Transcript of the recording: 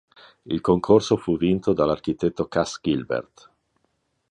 Il concorso fu vinto dall'architetto Cass Gilbert.